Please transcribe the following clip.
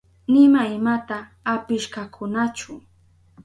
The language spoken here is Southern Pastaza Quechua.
Nima imata apishkakunachu.